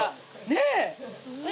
ねえ。